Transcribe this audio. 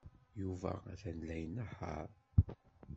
Yuba atan la inehheṛ.